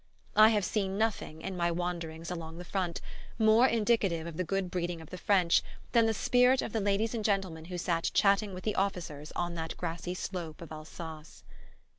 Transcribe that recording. I have seen nothing, in my wanderings along the front, more indicative of the good breeding of the French than the spirit of the ladies and gentlemen who sat chatting with the officers on that grassy slope of Alsace.